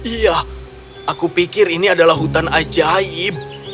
iya aku pikir ini adalah hutan ajaib